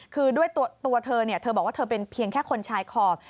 คือด้วยตัวเธอเธอบอกว่าเธอเป็นเพียงแค่คนชายขอบ